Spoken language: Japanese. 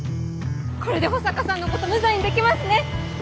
これで保坂さんのこと無罪にできますね！